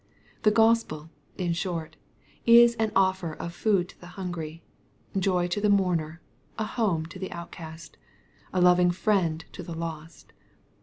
The Gospel, in short, is an offer of food to the hungry — joy to the mourner — ^a home to the outcast — a loving friend to the lost.